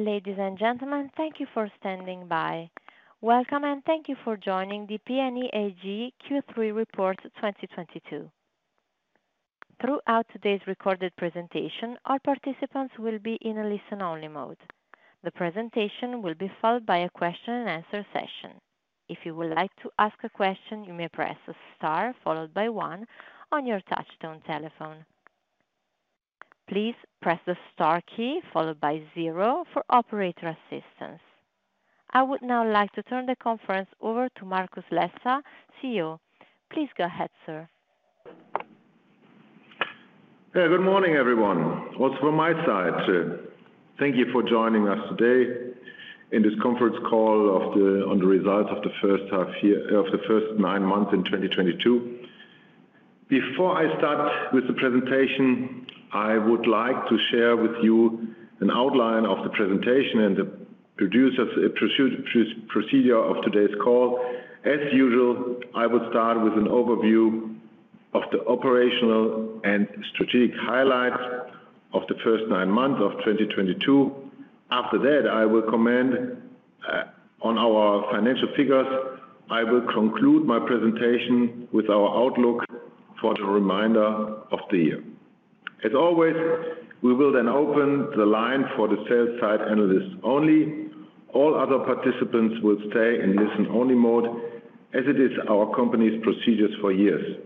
Ladies and gentlemen, thank you for standing by. Welcome and thank you for joining the PNE AG Q3 Report 2022. Throughout today's recorded presentation, all participants will be in a listen-only mode. The presentation will be followed by a question and answer session. If you would like to ask a question, you may press star followed by one on your touch-tone telephone. Please press the star key followed by zero for operator assistance. I would now like to turn the conference over to Markus Lesser, CEO. Please go ahead, sir. Yeah. Good morning, everyone, also from my side. Thank you for joining us today in this conference call on the results of the first nine months in 2022. Before I start with the presentation, I would like to share with you an outline of the presentation and the procedure of today's call. As usual, I will start with an overview of the operational and strategic highlights of the first nine months of 2022. After that, I will comment on our financial figures. I will conclude my presentation with our outlook for the remainder of the year. As always, we will then open the line for the sell-side analysts only. All other participants will stay in listen-only mode, as it is our company's procedures for years.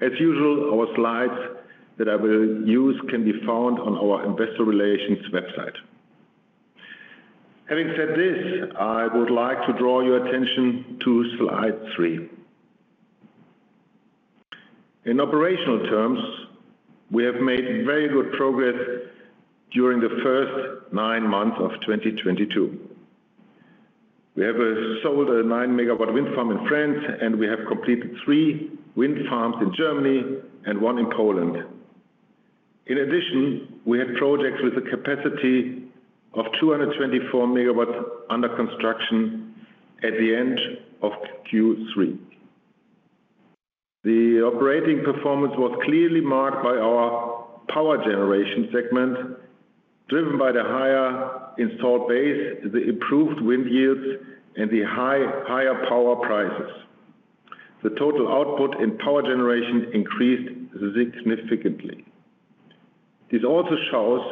As usual, our slides that I will use can be found on our investor relations website. Having said this, I would like to draw your attention to slide three. In operational terms, we have made very good progress during the first nine months of 2022. We have sold a 9 MW wind farm in France, and we have completed three wind farms in Germany and one in Poland. In addition, we had projects with a capacity of 224 MW under construction at the end of Q3. The operating performance was clearly marked by our Power Generation segment, driven by the higher installed base, the improved wind yields, and the high, higher power prices. The total output in power generation increased significantly. This also shows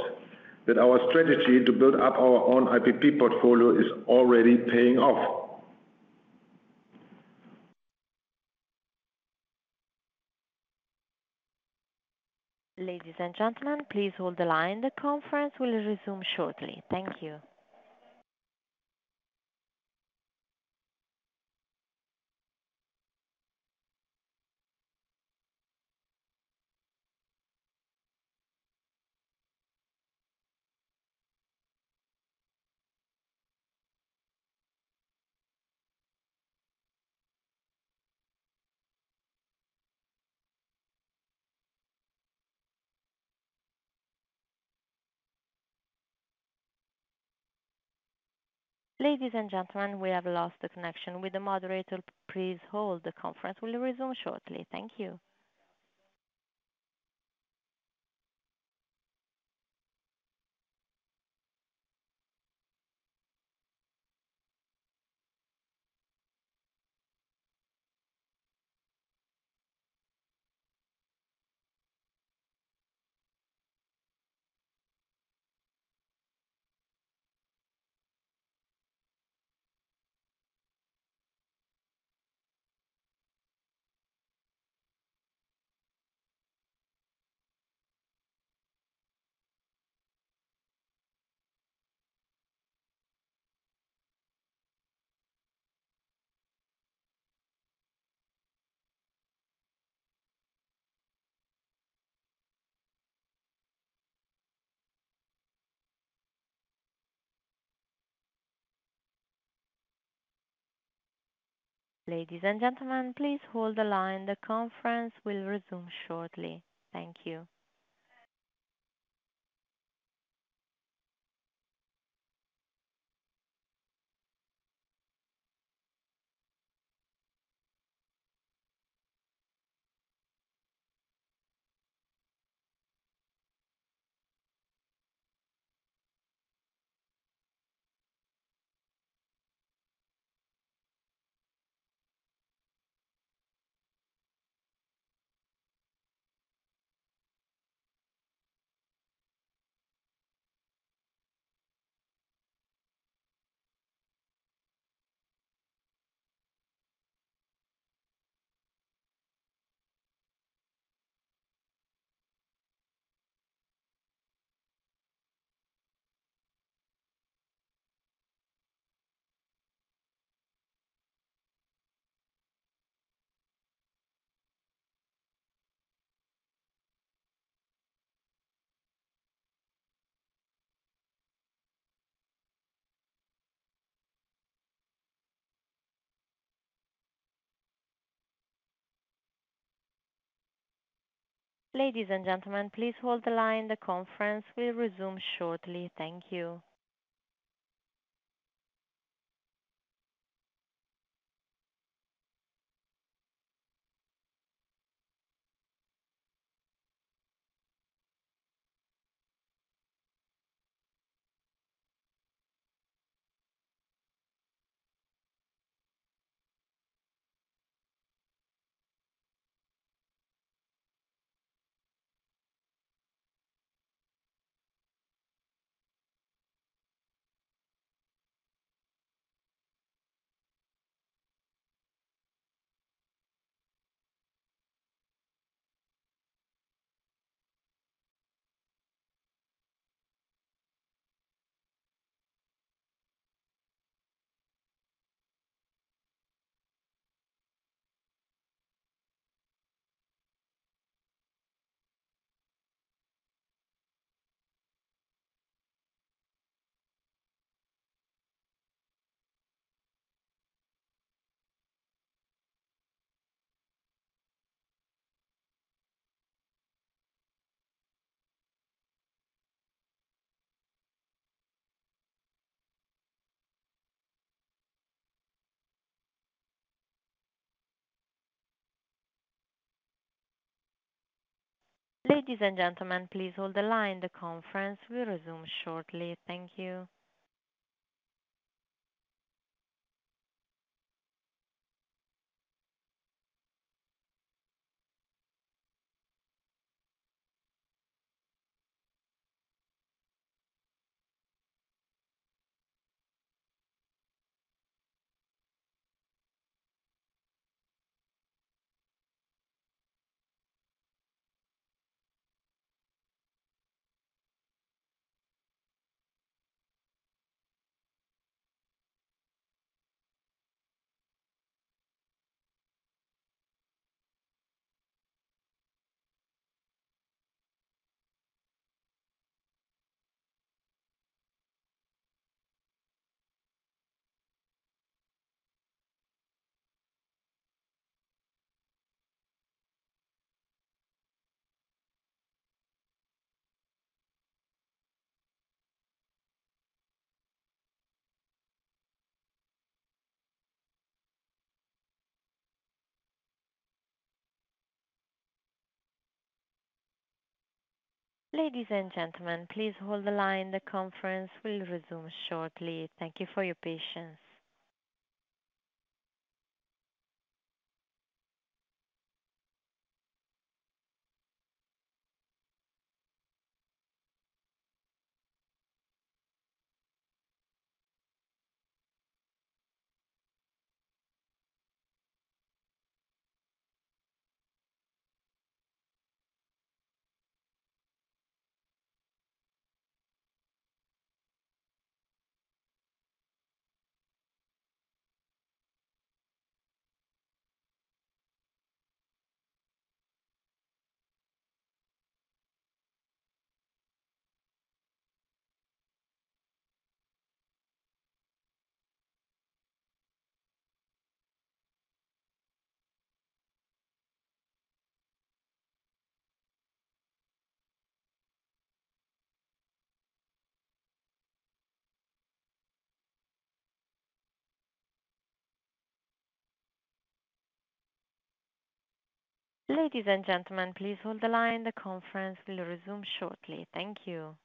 that our strategy to build up our own IPP portfolio is already paying off. Ladies and gentlemen, please hold the line. The conference will resume shortly. Thank you. Ladies and gentlemen, we have lost the connection with the moderator. Please hold. The conference will resume shortly. Thank you. Ladies and gentlemen, please hold the line. The conference will resume shortly. Thank you. Ladies and gentlemen, please hold the line. The conference will resume shortly. Thank you. Ladies and gentlemen, please hold the line. The conference will resume shortly. Thank you. Ladies and gentlemen, please hold the line. The conference will resume shortly. Thank you for your patience. Ladies and gentlemen, please hold the line. The conference will resume shortly. Thank you.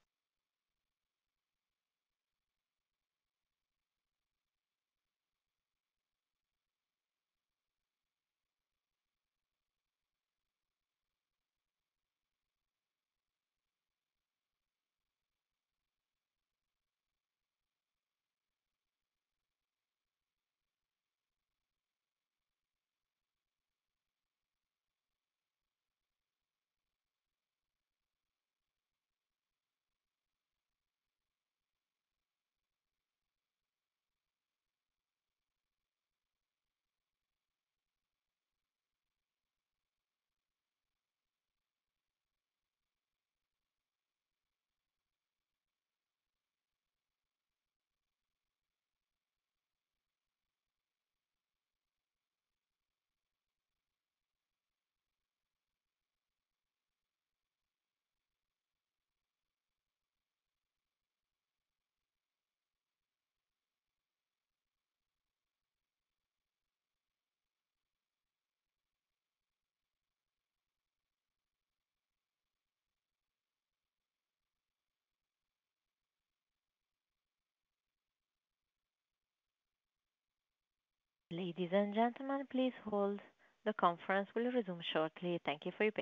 Ladies and gentlemen, please hold. The conference will resume shortly. Thank you for your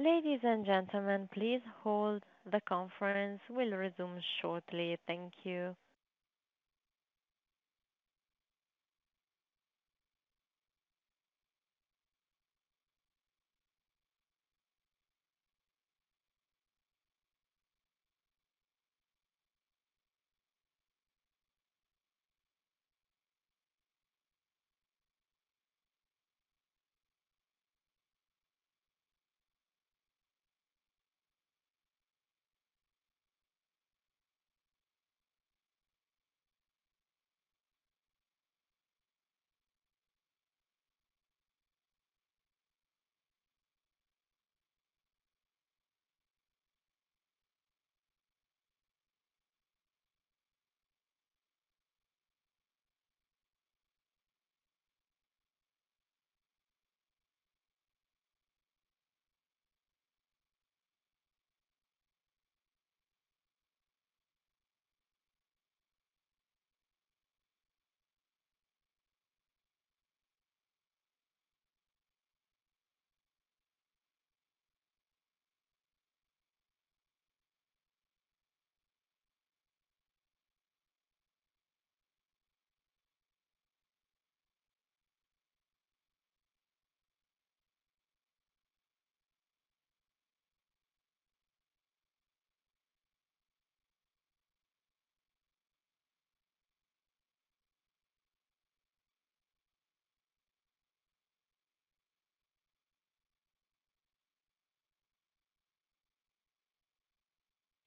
patience. Ladies and gentlemen, please hold the conference. We'll resume shortly. Thank you.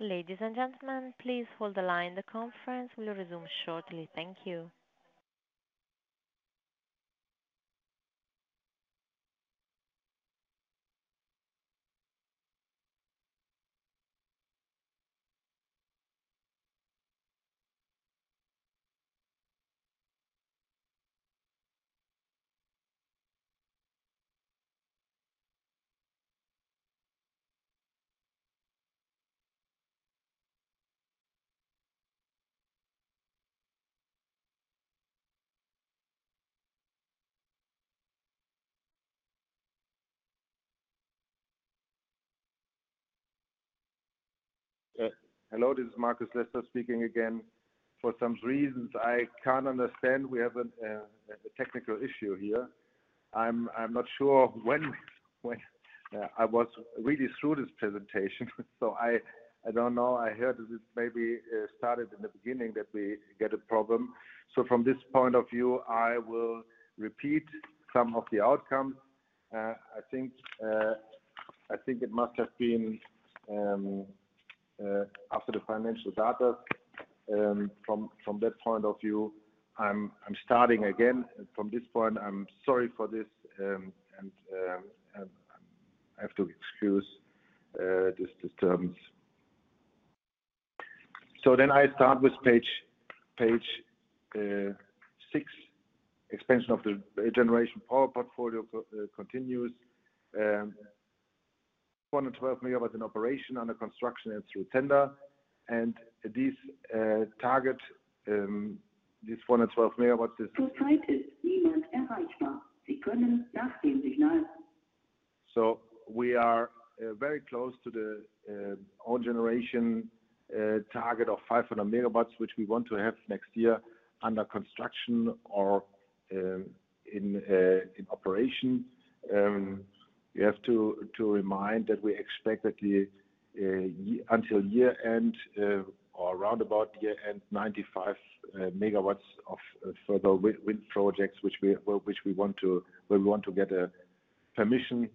Ladies and gentlemen, please hold the line. The conference will resume shortly. Thank you. Hello, this is Markus Lesser speaking again. For some reasons I can't understand, we have a technical issue here. I'm not sure when I was really through this presentation, so I don't know. I heard that it maybe started in the beginning that we get a problem. From this point of view, I will repeat some of the outcomes. I think it must have been after the financial data. From that point of view, I'm starting again from this point. I'm sorry for this. I have to excuse this disturbance. I start with page six, expansion of the generation power portfolio co-continues. 112 MW in operation under construction and through tender. This 112 MW. We are very close to the own generation target of 500 MW, which we want to have next year under construction or in operation. You have to remind that we expect that until year-end or roundabout year-end, 95 MW of further wind projects, which we want to get a permission.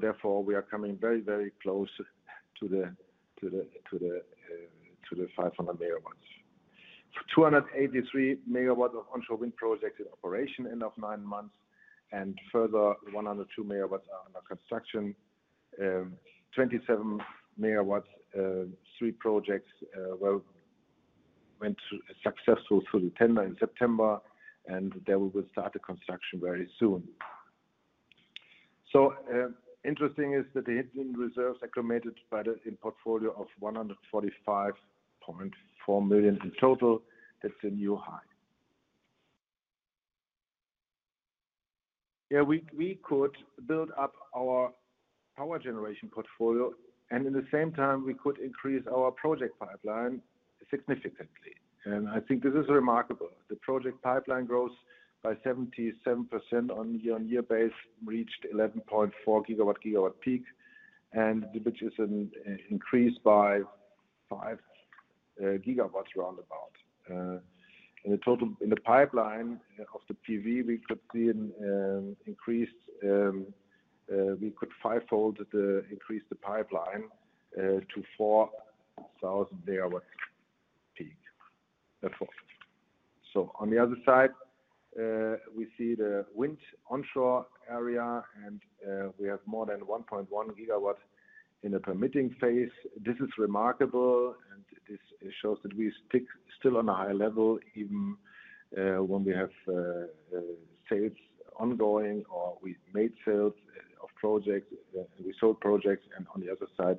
Therefore, we are coming very close to the 500 MW. 283 MW of onshore wind projects in operation end of nine months, and further 102 MW are under construction. 27 MW, three projects went through successfully through the tender in September, and they will start the construction very soon. Interesting is that the hidden reserves accumulated in portfolio of 145.4 million in total. That's a new high. Yeah, we could build up our Power Generation portfolio, and at the same time, we could increase our project pipeline. Significantly. I think this is remarkable. The project pipeline grows by 77% on year-on-year basis, reached 11.4 GW peak, and which is an increase by 5 GW roundabout. In the pipeline of the PV, we could see an increased. We could fivefold the increase the pipeline to 4,000 GW peak. That's all. On the other side, we see the wind onshore area, and we have more than 1.1 GW in the permitting phase. This is remarkable, and this shows that we stick still on a high level even when we have sales ongoing or we made sales of projects we sold projects. On the other side,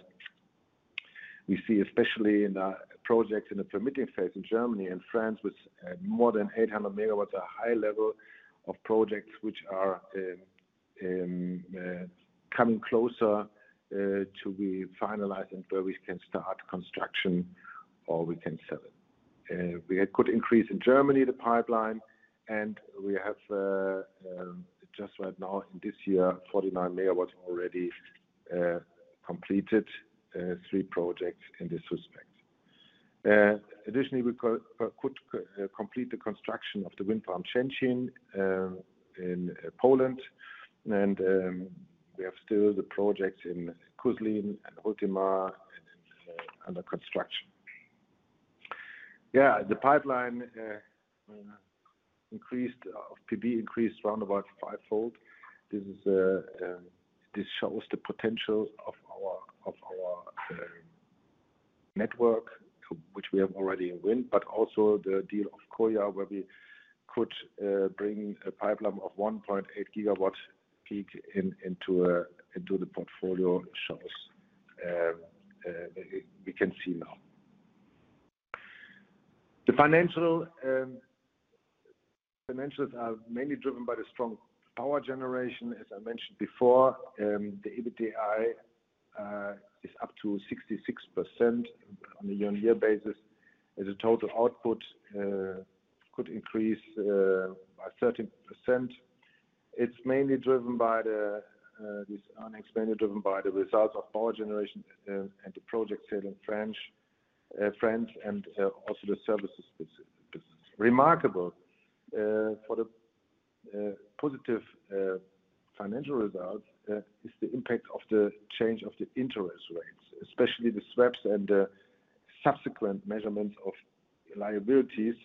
we see especially in projects in the permitting phase in Germany and France with more than 800 MW a high level of projects which are coming closer to be finalized and where we can start construction or we can sell it. We had good increase in Germany, the pipeline, and we have just right now in this year 49 MW already completed three projects in this respect. Additionally, we could complete the construction of the wind farm Krzęcin in Poland and we have still the projects in Kuślin and Hultema under construction. Yeah, the pipeline of PV increased roundabout fivefold. This shows the potential of our network, which we have already in wind, but also the deal of KOLYA, where we could bring a pipeline of 1.8 GW peak into the portfolio shows we can see now. The financials are mainly driven by the strong power generation. As I mentioned before, the EBITDA is up to 66% on a year-on-year basis, as the total output could increase by 13%. It's mainly driven by the results of power generation and the project sale in France and also the services business. Remarkable for the positive financial results is the impact of the change of the interest rates, especially the swaps and the subsequent measurements of liabilities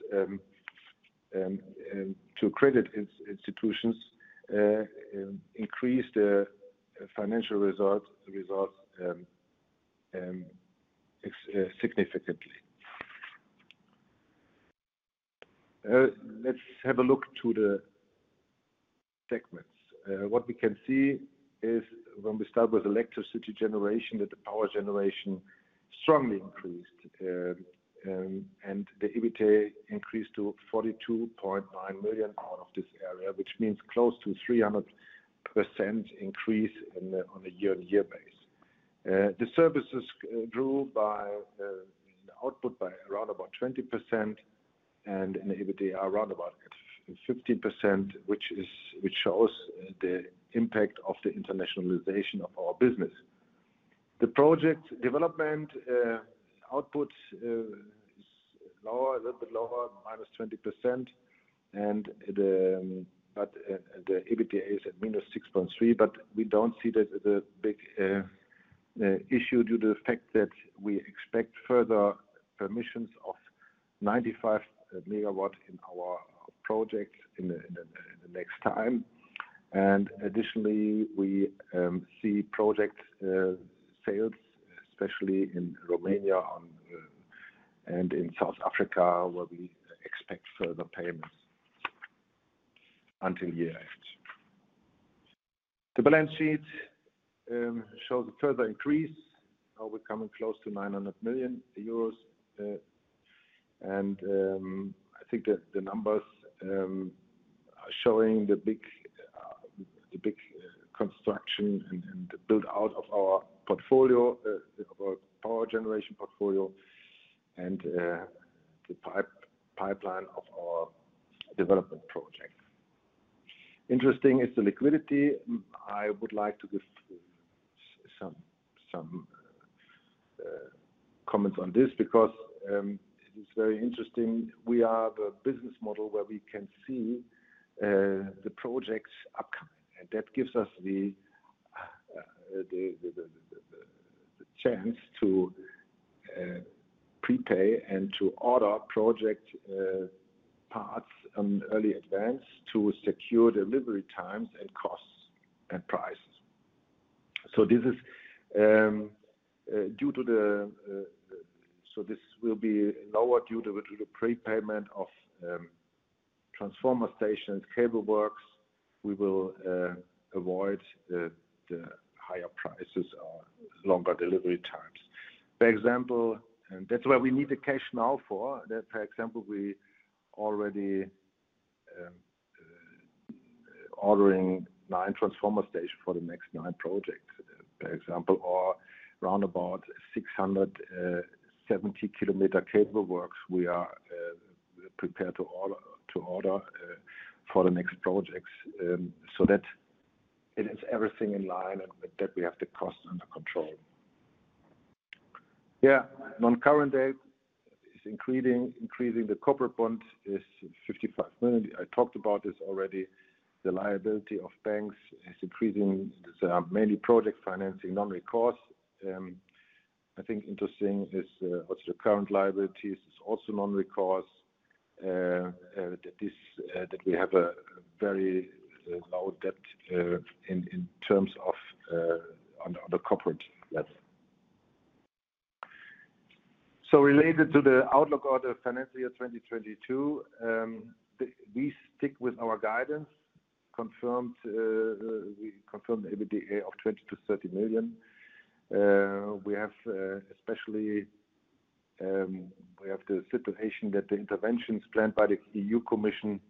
to credit institutions, increased the financial results significantly. Let's have a look to the segments. What we can see is when we start with electricity generation, that the power generation strongly increased, and the EBITDA increased to 42.9 million out of this area, which means close to 300% increase on a year-on-year basis. The services grew by the output by around about 20% and an EBITDA roundabout 15%, which shows the impact of the internationalization of our business. The project development output is lower, a little bit lower, -20%, and the EBITDA is at -6.3%, but we don't see the big issue due to the fact that we expect further permissions of 95 MW in our project in the next time. Additionally, we see project sales, especially in Romania and in South Africa, where we expect further payments until year end. The balance sheet shows a further increase, we're coming close to 900 million euros. I think the numbers are showing the big construction and the build-out of our Power Generation portfolio and the pipeline of our development project. Interesting is the liquidity. I would like to give some comments on this because it is very interesting. We are the business model where we can see the projects upcoming, and that gives us the chance to prepay and to order project parts in early advance to secure delivery times and costs and prices. This will be lower due to the prepayment of transformer stations, cable works. We will avoid the higher prices or longer delivery times. For example. That's where we need the cash now for. That, for example, we already ordering nine transformer stations for the next nine projects, for example. Or around about 670 km cable works we are prepared to order for the next projects. That it is everything in line and that we have the costs under control. Non-current debt is increasing. The corporate bond is 55 million. I talked about this already. The liability of banks is increasing. There are many project financing non-recourse. I think interesting is what's the current liabilities is also non-recourse. That is, we have a very low debt in terms of on the corporate level. Related to the outlook for the financial year 2022, we stick with our guidance. We confirmed EBITDA of 20 million-30 million. We have especially the situation that the interventions planned by the European Commission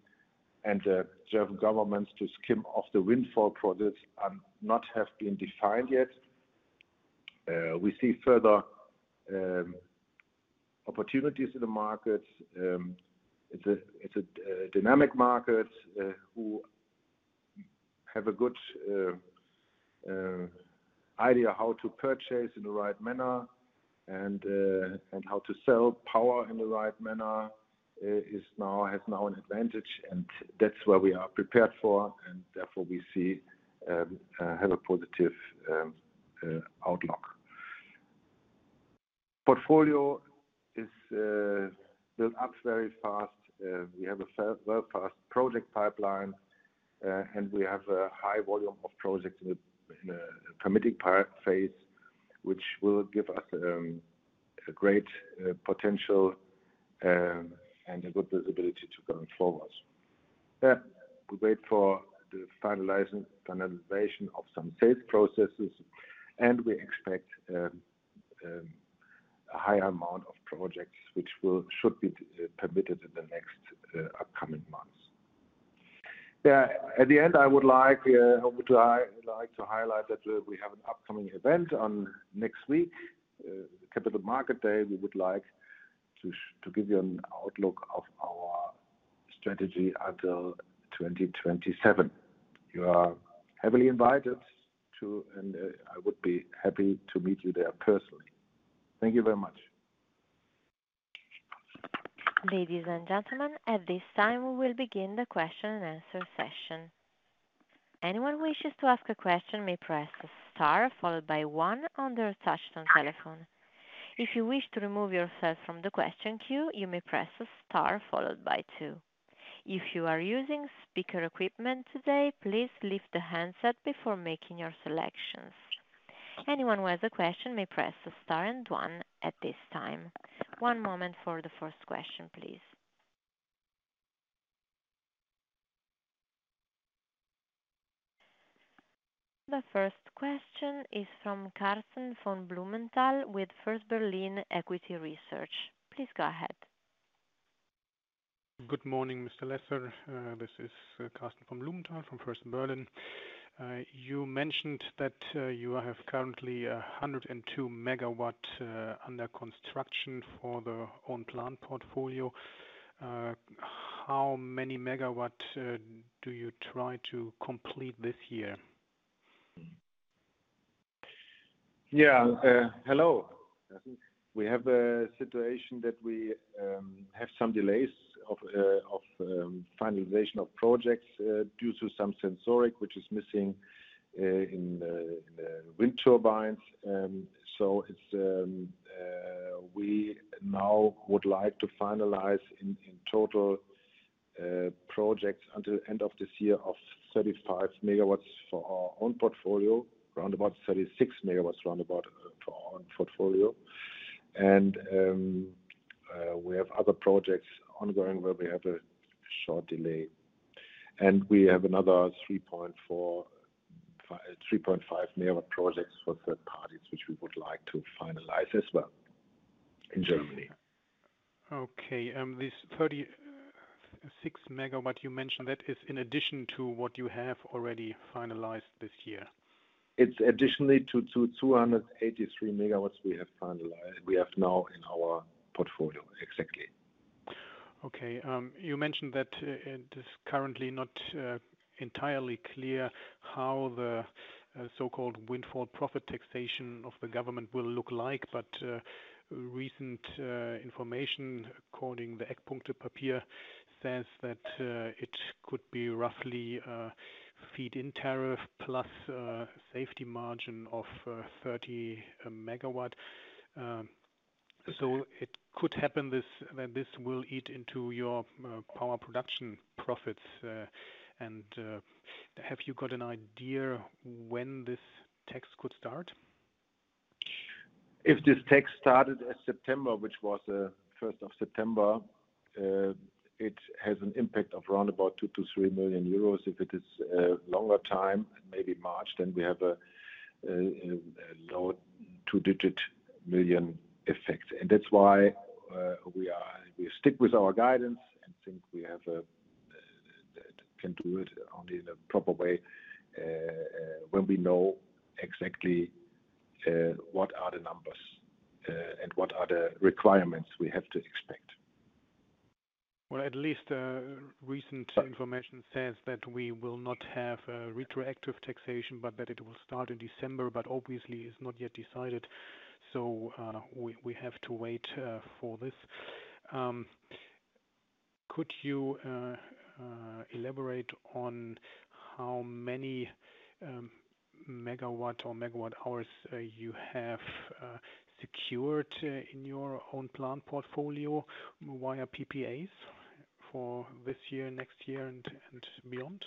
and the German governments to skim off the windfall profits not have been defined yet. We see further opportunities in the markets. It's a dynamic market who have a good idea how to purchase in the right manner and how to sell power in the right manner has now an advantage, and that's where we are prepared for, and therefore we see have a positive outlook. Portfolio is built up very fast. We have a fast project pipeline, and we have a high volume of projects in a permitting phase, which will give us a great potential and a good visibility going forwards. We wait for the finalization of some sales processes, and we expect a high amount of projects which should be permitted in the next upcoming months. At the end, I would like to highlight that we have an upcoming event next week, Capital Market Day. We would like to give you an outlook of our strategy until 2027. You are heartily invited to, and I would be happy to meet you there personally. Thank you very much. Ladies and gentlemen, at this time, we will begin the question and answer session. Anyone wishes to ask a question may press star followed by one on their touch-tone telephone. If you wish to remove yourself from the question queue, you may press star followed by two. If you are using speaker equipment today, please lift the handset before making your selections. Anyone who has a question may press star and one at this time. One moment for the first question, please. The first question is from Karsten von Blumenthal with First Berlin Equity Research. Please go ahead. Good morning, Mr. Lesser. This is Karsten von Blumenthal from First Berlin. You mentioned that you have currently 102 MW under construction for the own plant portfolio. How many megawatts do you try to complete this year? Yeah. Hello. We have a situation that we have some delays of finalization of projects due to some certification which is missing in the wind turbines. We now would like to finalize in total projects until end of this year of 35 MW for our own portfolio, around about 36 MW for our own portfolio. We have other projects ongoing where we have a short delay. We have another 3.5 MW projects for third parties, which we would like to finalize as well in Germany. Okay. This 36 MW you mentioned, that is in addition to what you have already finalized this year? It's in addition to 283 MW we have now in our portfolio. Exactly. Okay. You mentioned that it is currently not entirely clear how the so-called windfall profit taxation of the government will look like. Recent information according to the Eckpunktepapier says that it could be roughly feed-in tariff plus a safety margin of 30 MW. It could happen that this will eat into your power production profits. Have you got an idea when this tax could start? If this tax started at September, which was first of September, it has an impact of around about 2 million-3 million euros. If it is a longer time, maybe March, then we have a lower two-digit million effect. That's why we stick with our guidance and think we can do it only in a proper way when we know exactly what are the numbers and what are the requirements we have to expect. Well, at least recent information says that we will not have a retroactive taxation, but that it will start in December, but obviously it's not yet decided. We have to wait for this. Could you elaborate on how many megawatt or megawatt-hours you have secured in your own plant portfolio via PPAs for this year, next year and beyond?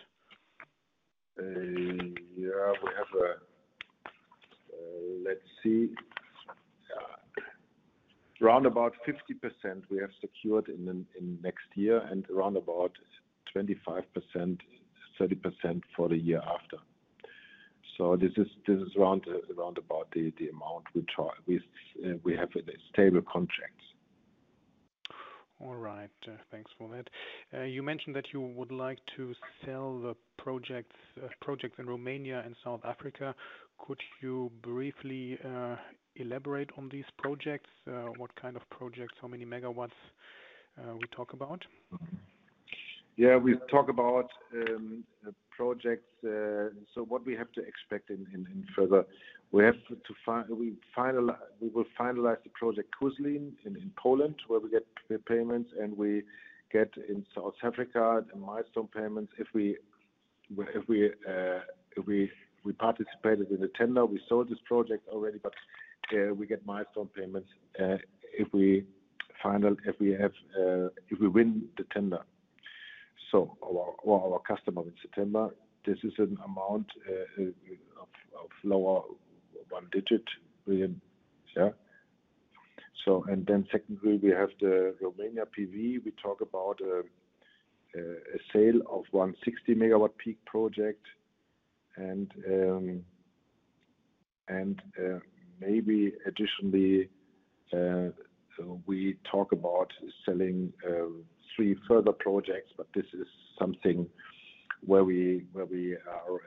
Around about 50% we have secured in next year and around about 25%-30% for the year after. This is around about the amount we have in stable contracts. All right. Thanks for that. You mentioned that you would like to sell the projects in Romania and South Africa. Could you briefly elaborate on these projects? What kind of projects? How many megawatts we talk about? Yeah, we talk about projects. What we have to expect in the future, we will finalize the project Kuślin in Poland, where we get the payments, and we get in South Africa the milestone payments. If we participated in the tender, we sold this project already, but we get milestone payments if we win the tender. Our customer in September, this is an amount of low single-digit million EUR. Yeah. Secondly, we have the Romanian PV. We talk about a sale of 160 MW peak project. Maybe additionally, we talk about selling three further projects, but this is something where we are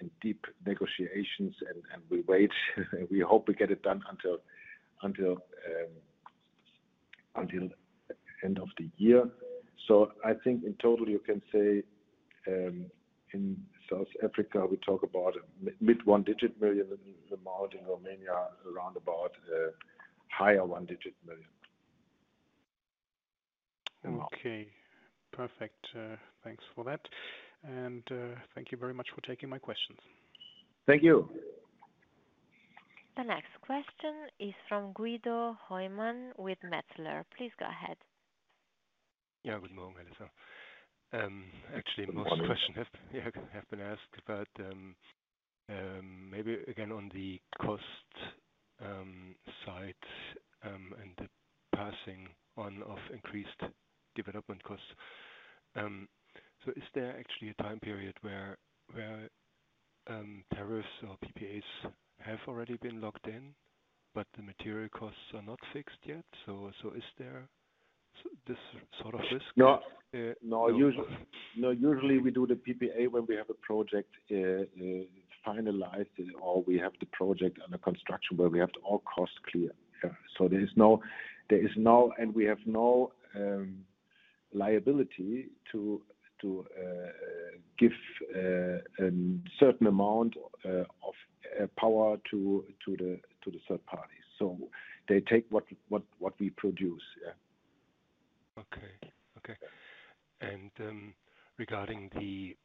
in deep negotiations and we wait. We hope we get it done until end of the year. I think in total, you can say, in South Africa, we talk about EUR mid one digit million amount. In Romania, around about higher one-digit million. Okay. Perfect. Thanks for that. Thank you very much for taking my questions. Thank you. The next question is from Guido Hoymann with Metzler. Please go ahead. Yeah. Good morning, Herr Lesser. Actually, most of the questions have been asked, but maybe again on the cost side and the passing on of increased development costs. Is there actually a time period where tariffs or PPAs have already been locked in, but the material costs are not fixed yet? Is there this sort of risk? No. Uh- No. Usually, we do the PPA when we have a project finalized or we have the project under construction where we have all costs clear. Yeah. There is no and we have no liability to give a certain amount of power to the third party. They take what we produce. Yeah. Regarding the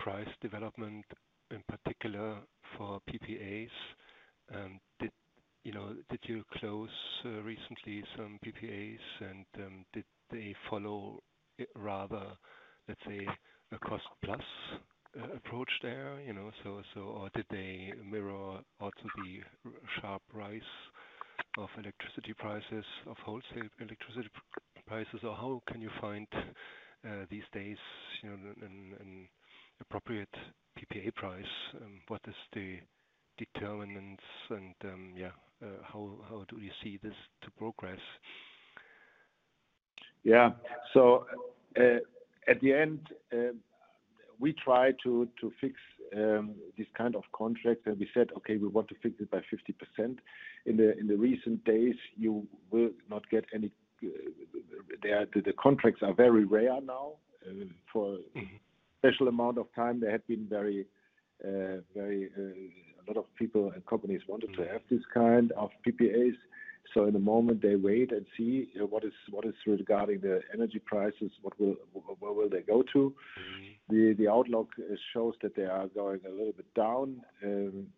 price development in particular for PPAs, you know, did you close recently some PPAs and did they follow rather, let's say, a cost-plus approach there? You know, so or did they mirror the sharp rise of electricity prices, of wholesale electricity prices? Or how can you find these days, you know, an appropriate PPA price? What are the determinants and how do you see this develop? Yeah, at the end, we try to fix this kind of contract and we said, okay, we want to fix it by 50%. In the recent days, you will not get any, the contracts are very rare now. For- Mm-hmm. Special amount of time, there have been very a lot of people and companies wanted to have this kind of PPAs. At the moment they wait and see, you know, what is regarding the energy prices, where will they go to. Mm-hmm. The outlook shows that they are going a little bit down,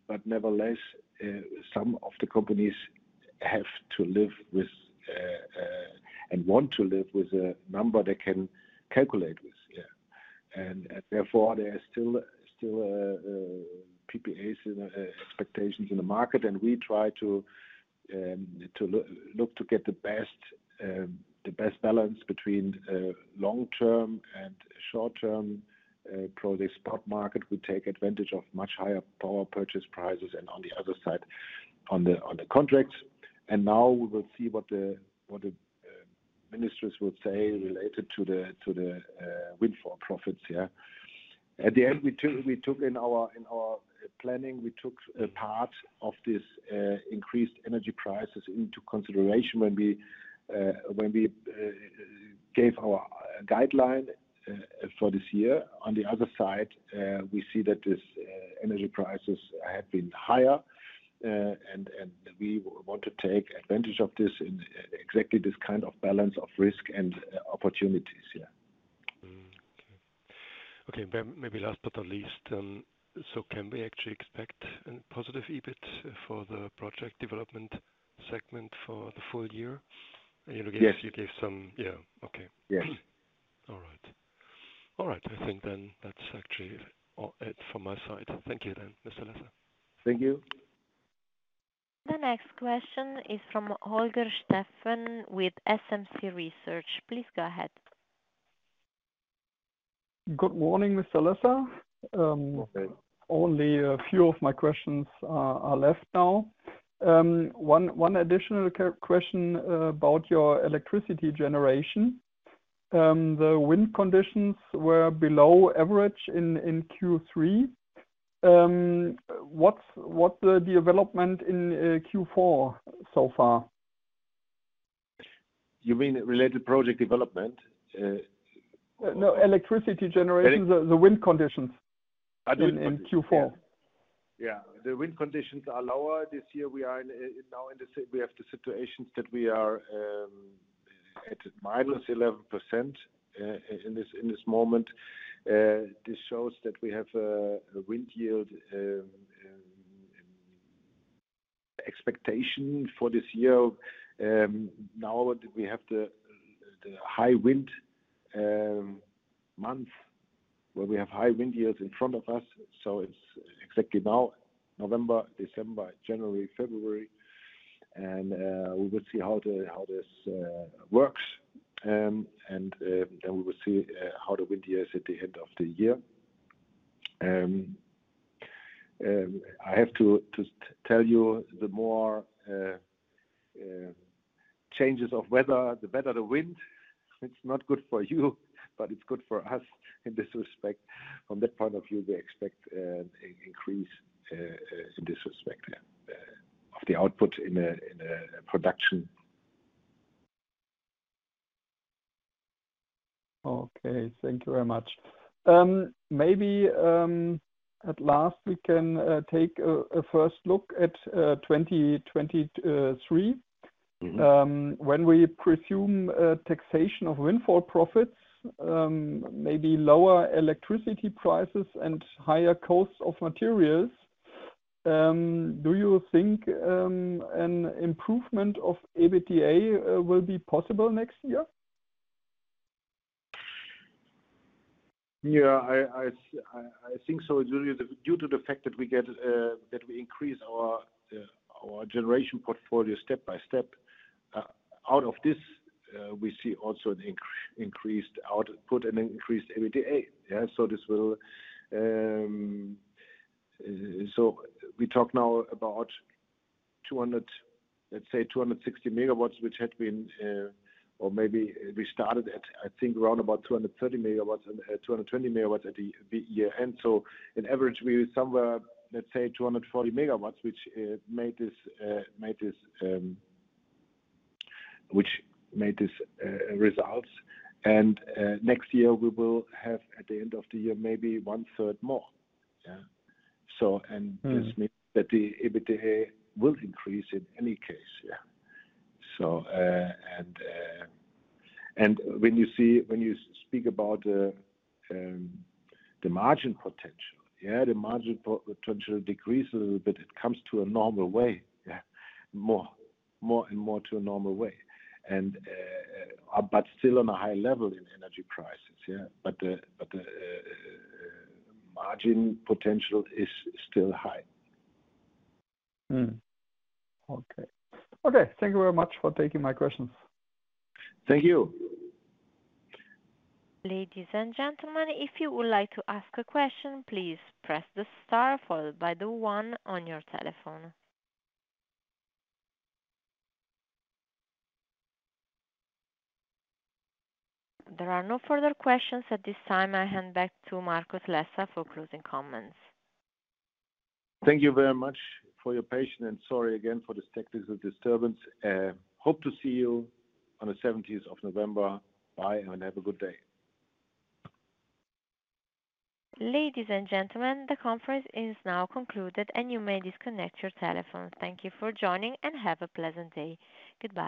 but nevertheless, some of the companies have to live with and want to live with a number they can calculate with. Yeah. Therefore, there is still PPAs expectations in the market, and we try to look to get the best balance between long-term and short-term, probably spot market. We take advantage of much higher power purchase prices and on the other side, on the contracts. Now we will see what the ministers would say related to the windfall profits. Yeah. At the end, we took in our planning a part of this increased energy prices into consideration when we gave our guideline for this year. On the other side, we see that this energy prices have been higher and we want to take advantage of this in exactly this kind of balance of risk and opportunities. Yeah. Okay, maybe last but not least, can we actually expect a positive EBIT for the project development segment for the full year? Yes. Yeah. Okay. Yes. All right. I think then that's actually all of it from my side. Thank you then, Mr. Lesser. Thank you. The next question is from Holger Steffen with SMC Research. Please go ahead. Good morning, Mr. Lesser. Okay. Only a few of my questions are left now. One additional question about your electricity generation. The wind conditions were below average in Q3. What's the development in Q4 so far? You mean related project development? No, electricity generation. Ele- The wind conditions. The wind conditions. In Q4. Yeah. Yeah. The wind conditions are lower this year. We are in now in the situation that we are at -11% in this moment. This shows that we have a wind yield expectation for this year. Now we have the high wind month, where we have high wind years in front of us. It's exactly now, November, December, January, February, and we will see how this works. We will see how the wind years at the end of the year. I have to tell you the more changes of weather, the better the wind. It's not good for you, but it's good for us in this respect. From that point of view, we expect an increase in this respect, yeah. Of the output in a production. Okay. Thank you very much. Maybe at last we can take a first look at 2023. Mm-hmm. When we presume taxation of windfall profits, maybe lower electricity prices and higher costs of materials, do you think an improvement of EBITDA will be possible next year? Yeah. I think so due to the fact that we get that we increase our generation portfolio step by step. Out of this, we see also an increased output and increased EBITDA. Yeah. We talk now about 200 MW, let's say 260 MW, which had been, or maybe we started at, I think around about 230 MW and 220 MW at the year-end. On average, we were somewhere, let's say 240 MW, which made these results. Next year, we will have, at the end of the year, maybe one-third more. Yeah. Mm-hmm. This means that the EBITDA will increase in any case. Yeah. When you speak about the margin potential, yeah, the margin potential decreases, but it comes to a normal way. Yeah. More and more to a normal way. Still on a high level in energy prices. Yeah. The margin potential is still high. Okay. Thank you very much for taking my questions. Thank you. Ladies and gentlemen, if you would like to ask a question, please press the star followed by the one on your telephone. There are no further questions at this time. I hand back to Markus Lesser for closing comments. Thank you very much for your patience, and sorry again for this technical disturbance. Hope to see you on the 17th of November. Bye and have a good day. Ladies and gentlemen, the conference is now concluded and you may disconnect your telephone. Thank you for joining and have a pleasant day. Goodbye.